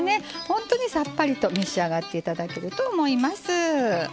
本当にさっぱりと召し上がっていただけると思います。